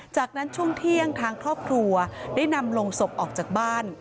จากนั้นช่วงเที่ยงทางครอบครัวได้นำลงศพออกจากบ้าน